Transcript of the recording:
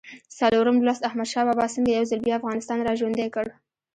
څلورم لوست: احمدشاه بابا څنګه یو ځل بیا افغانستان را ژوندی کړ؟